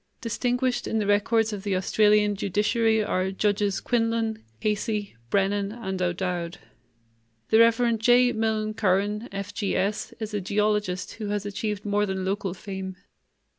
Distinguished in the records of the Australian judiciary are Judges Quinlan, Casey, Brennan, and O'Dowd. The Rev. J. Milne Curran, F.G.S., is a geologist who has achieved more than local fame.